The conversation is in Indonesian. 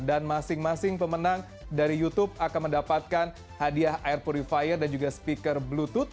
dan masing masing pemenang dari youtube akan mendapatkan hadiah air purifier dan juga speaker bluetooth